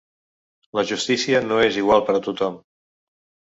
La justícia no és igual per a tothom.